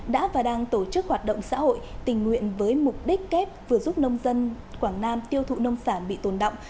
đã và đang tổ chức hoạt động xã hội tình nguyện với mục đích kép vừa giúp nông dân quảng nam tiêu thụ nông sản bị tồn động